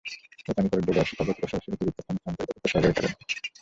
এই পানি প্রযোজ্য বয়সে তাদেরকে বসবাসের উপযুক্ত স্থানে স্থানান্তরিত হতে সহায়তা করে।